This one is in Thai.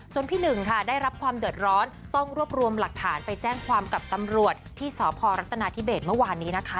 พี่หนึ่งค่ะได้รับความเดือดร้อนต้องรวบรวมหลักฐานไปแจ้งความกับตำรวจที่สพรัฐนาธิเบสเมื่อวานนี้นะคะ